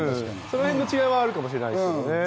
その辺の違いはあるかもしれないですよね。